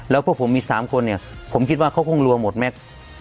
แล้วพวกผมมีสามคนเนี่ยผมคิดว่าเขาคงลัวหมดไหม